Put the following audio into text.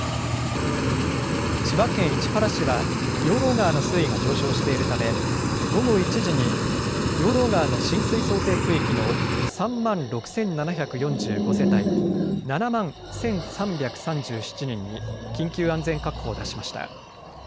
千葉県市原市は養老川の水位が上昇しているため午後１時に養老川の浸水想定区域の３万６７４５世帯７万１３３７人に緊急安全確保を出しました。